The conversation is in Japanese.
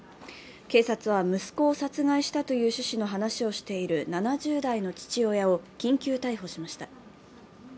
警察は、息子を殺害したという趣旨の話をしている７０代の父親を緊急逮捕しました。